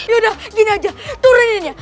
yaudah gini aja turunin ya